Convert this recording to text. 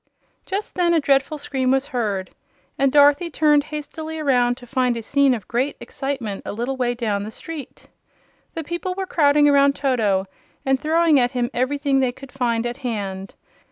Just then a dreadful scream was heard, and Dorothy turned hastily around to find a scene of great excitement a little way down the street. The people were crowding around Toto and throwing at him everything they could find at hand.